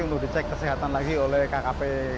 untuk dicek kesehatan lagi oleh kkp